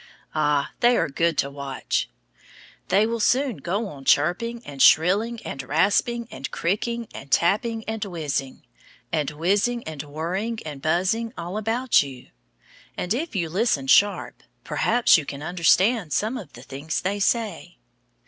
ah! they are good to watch. They will soon go on chirping and shrilling and rasping and kricking and tapping and whizzing and whirring and buzzing all about you; and if you listen sharp, perhaps you can understand some of the things they say.